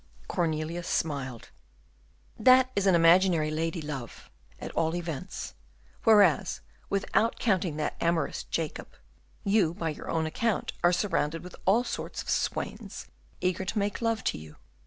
Cornelius smiled. "That is an imaginary lady love, at all events; whereas, without counting that amorous Jacob, you by your own account are surrounded with all sorts of swains eager to make love to you.